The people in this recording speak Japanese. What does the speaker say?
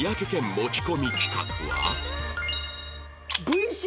持ち込み企画はえっ！？